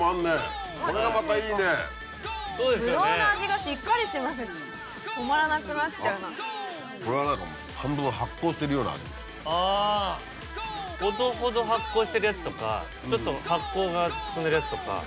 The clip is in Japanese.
ほどほど発酵してるやつとかちょっと発酵が進んでるやつとか。